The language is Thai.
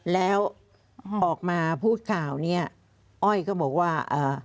แล้วออกมาพูดข่าวเนี้ยอ้อยก็บอกว่าเอ่อ